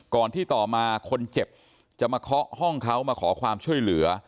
ที่ต่อมาคนเจ็บจะมาเคาะห้องเขามาขอความช่วยเหลือ